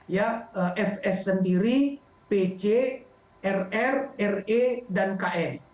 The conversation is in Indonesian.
ya fs sendiri pc rr re dan kn